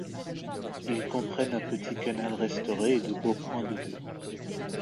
Ils comprennent un petit canal restauré et de beaux points de vue.